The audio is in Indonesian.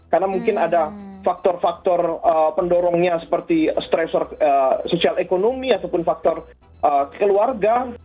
karena mungkin ada faktor faktor pendorongnya seperti stressor sosial ekonomi ataupun faktor keluarga